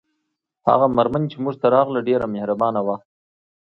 هغه میرمن چې موږ ته راغله ډیره مهربانه وه